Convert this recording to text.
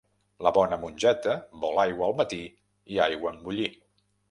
La bona mongeta vol aigua al matí i aigua en bullir.